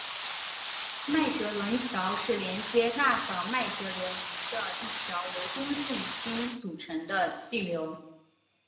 麦哲伦桥是连接大小麦哲伦云的一条由中性氢组成的气流。